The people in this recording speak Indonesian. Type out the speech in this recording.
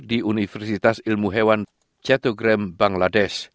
di universitas ilmu hewan cetogrem bangladesh